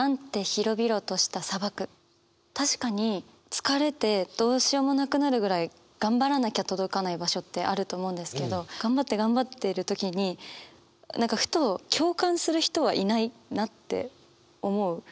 確かに疲れてどうしようもなくなるぐらい頑張らなきゃ届かない場所ってあると思うんですけど頑張って頑張ってる時に何かふとって思う時があるというか。